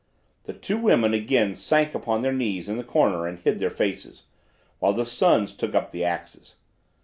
The two women again sank upon their knees in the corner and hid their faces, while the sons took up the axes.